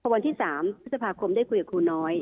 วันที่๓พฤษภาคมได้คุยกับครูน้อย